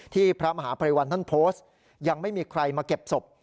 พระมหาภัยวันท่านโพสต์ยังไม่มีใครมาเก็บศพ